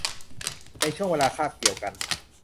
ในช่วงเวลาคาบเกี่ยวกัน